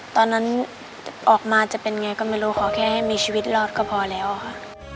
ตอนนั้นออกมาจะเป็นไงก็ไม่รู้ขอแค่ให้มีชีวิตรอดก็พอแล้วค่ะ